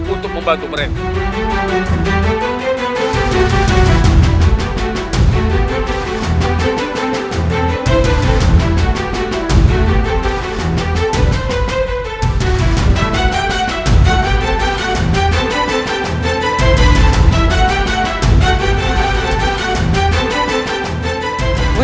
untuk membantu mereka